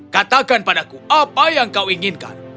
katakan padaku apa yang kau inginkan